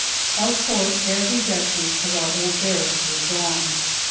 Of course, every vestige of our old barracks was gone.